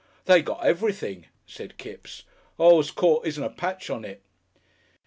"They got everything," said Kipps. "Earl's Court isn't a patch on it."